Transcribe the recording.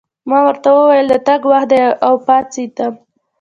ما ورته وویل: د تګ وخت دی، او پاڅېدم.